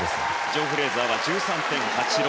ジョー・フレーザーは１３．８６６です。